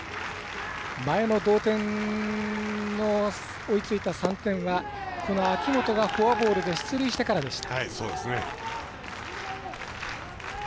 前の同点の追いついた３点は秋元がフォアボールで出塁してからでした。